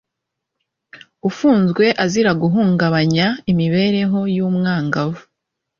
ufunzwe azira guhungabanya imibereho y'umwangavu